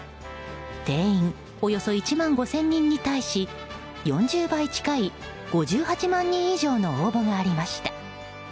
定員およそ１万５０００人に対し４０倍近い５８万人以上の応募がありました。